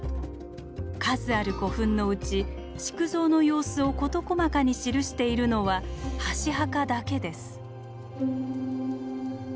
数ある古墳のうち築造の様子を事細かに記しているのは箸墓だけです。